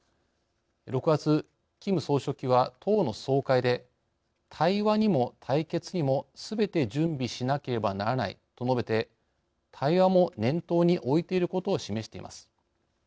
６月キム総書記は党の総会で対話にも対決にもすべて準備しなければならないと述べて対話も念頭に置いていることを示しています。